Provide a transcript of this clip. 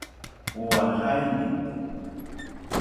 Ua, jai bite